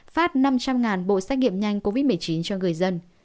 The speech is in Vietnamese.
phát năm trăm linh bộ xét nghiệm nhanh covid một mươi chín cho người dân